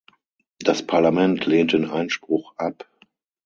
Das Parlament lehnt den Einspruch ab.